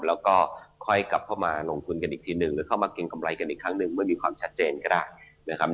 แล้วก็ค่อยกลับเข้ามาลงทุนกันอีกทีหนึ่งหรือเข้ามาเกรงกำไรกันอีกครั้งหนึ่งเมื่อมีความชัดเจนก็ได้นะครับ